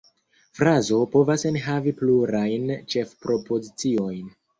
Frazo povas enhavi plurajn ĉefpropoziciojn.